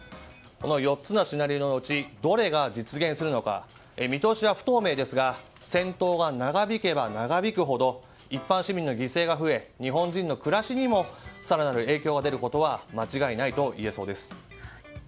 この４つのシナリオのうちどれが実現するのか見通しは不透明ですが戦闘が長引けば長引くほど一般市民の犠牲が増え日本人の暮らしにも更なる影響が出ることは間違いないと言えそうです。